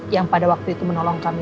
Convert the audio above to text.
yang pada waktu itu menolong kami